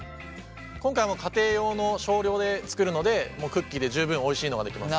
今回は家庭用の少量で作るのでクッキーで十分おいしいのができます。